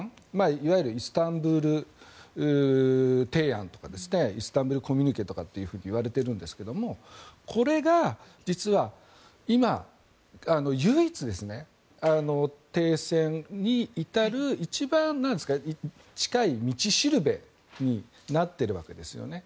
いわゆるイスタンブール提案とかイスタンブールコミュニケとか言われているんですがこれが実は今唯一、停戦に至る一番近い道しるべになっているわけですよね。